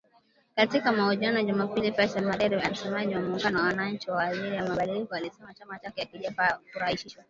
Katika mahojiano ya Jumapili, Fadzayi Mahere, msemaji wa muungano wa wananchi kwa ajili ya mabadiliko, alisema chama chake hakijafurahishwa.